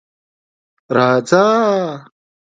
_راځه.